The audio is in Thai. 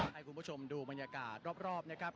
ให้คุณผู้ชมดูบรรยากาศรอบนะครับ